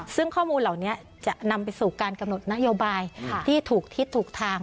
ซึ่งข้อมูลเหล่านี้จะนำไปสู่การกำหนดนโยบายที่ถูกทิศถูกทาง